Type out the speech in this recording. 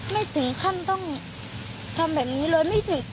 ไม่ถึงขั้นต้องทำแบบนี้เลย